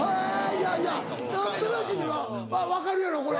いやいや何となしには分かるやろこれ。